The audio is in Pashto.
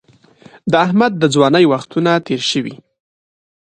د احمد د ځوانۍ وختونه تېر شوي.